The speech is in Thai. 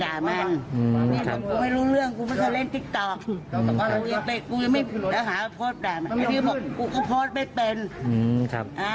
เขามากลับมาหาเรื่องพวกกันได้ไงไม่ใครก็ดูถูกมึงหรอก